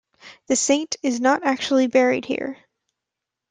The saint is not actually buried here.